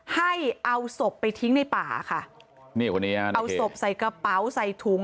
ให้เอาศพไปทิ้งในป่าค่ะนี่คนนี้ฮะเอาศพใส่กระเป๋าใส่ถุง